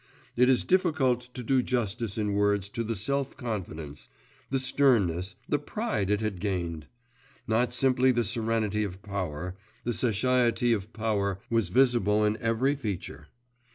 It is difficult to do justice in words to the self confidence, the sternness, the pride it had gained! Not simply the serenity of power the satiety of power was visible in every feature.